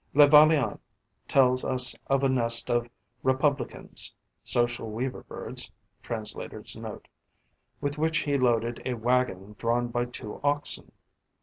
Le Vaillant tells us of a nest of Republicans (Social Weaver birds. Translator's Note.) with which he loaded a wagon drawn by two oxen.